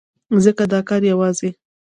ځکه دا کار يوازې